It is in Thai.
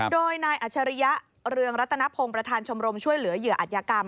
โดยนายอัชริยะเรืองรัตนพงศ์ประธานชมรมช่วยเหลือเหยื่ออัธยกรรม